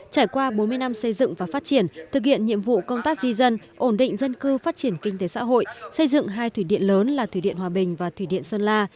trải qua bốn mươi năm xây dựng và phát triển thực hiện nhiệm vụ công tác di dân ổn định dân cư phát triển kinh tế xã hội xây dựng hai thủy điện lớn là thủy điện hòa bình và thủy điện sơn la